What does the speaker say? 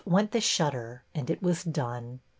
went the shutter, and it was done.